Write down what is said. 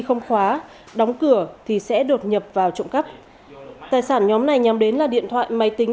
không khóa đóng cửa thì sẽ đột nhập vào trộm cắp tài sản nhóm này nhắm đến là điện thoại máy tính